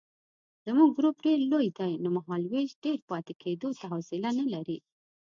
زموږ ګروپ ډېر لوی دی نو مهالوېش ډېر پاتې کېدو ته حوصله نه لري.